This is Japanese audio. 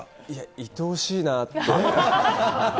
いとおしいなって。